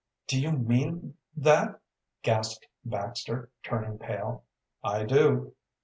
"Do you mean th that?" gasped Baxter, turning pale. "I do."